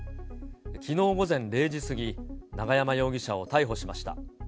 きのう午前０時過ぎ、永山容疑者を逮捕しました。